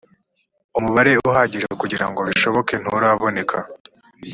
umubare uhagije kugirango bishoboke nturaboneka.